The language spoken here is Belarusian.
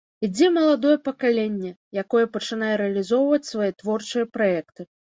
Ідзе маладое пакаленне, якое пачынае рэалізоўваць свае творчыя праекты.